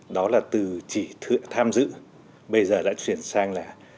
đó là từ chỉ tham dự bây giờ đã chuyển sang là